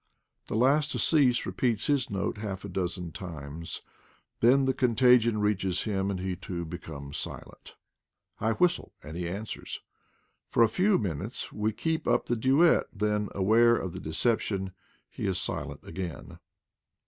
The last to cease re peats his note half a dozen times, then the con tagion reaches him and he too becomes silent. I whistle and he answers; for a few minutes we keep up the duet, then, aware of the deception, he is silent again.